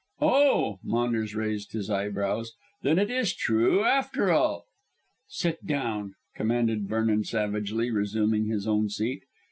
"Oh!" Maunders raised his eyebrows. "Then it is true, after all." "Sit down," commanded Vernon savagely, resuming his own seat.